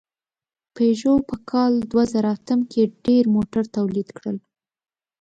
پيژو په کال دوهزرهاتم کې ډېر موټر تولید کړل.